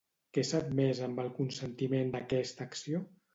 Què s'ha admès amb el consentiment d'aquesta acció?